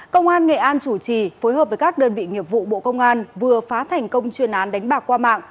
công an nghệ an chủ trì phối hợp với các đơn vị nghiệp vụ bộ công an vừa phá thành công chuyên án đánh bạc qua mạng